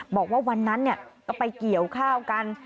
บอกว่าวันนั้นก็ไปเกี่ยวข้าวกัน